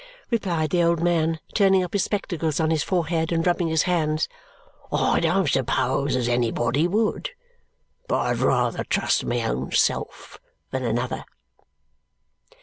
replied the old man, turning up his spectacles on his forehead and rubbing his hands. "I don't suppose as anybody would, but I'd rather trust my own self than another!"